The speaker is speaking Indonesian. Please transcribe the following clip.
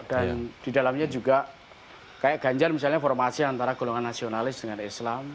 dan di dalamnya juga kayak ganjar misalnya formasi antara golongan nasionalis dengan islam